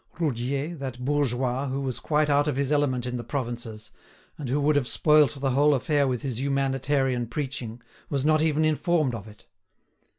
Roudier, that bourgeois who was quite out of his element in the provinces, and who would have spoilt the whole affair with his humanitarian preaching, was not even informed of it.